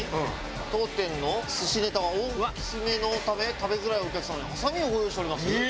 「当店の寿しネタは大きめの為食べづらいお客様にハサミをご用意しております」。